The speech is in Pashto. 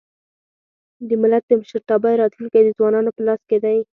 د ملت د مشرتابه راتلونکی د ځوانانو په لاس کي دی.